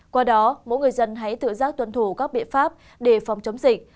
qua đó mỗi người dân hãy tự giác tuân thủ các biện pháp để phòng chống dịch